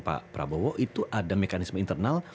pak prabowo itu ada mekanisme internal